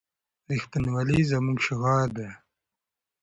رښتینولي زموږ شعار دی.